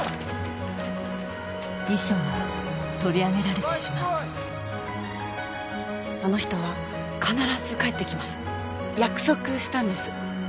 遺書は取り上げられてしまうあの人は必ず帰ってきます約束したんです